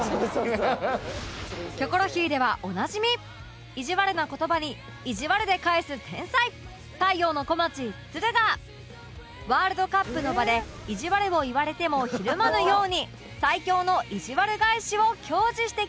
『キョコロヒー』ではおなじみいじわるな言葉にいじわるで返す天才太陽の小町つるがワールドカップの場でいじわるを言われても怯まぬように最強のいじわる返しを教示していきます！